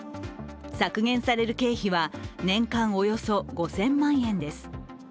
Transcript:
削減される経費は、年間およそ５０００万円です。